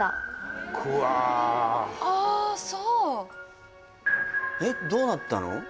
そうえっどうなったの？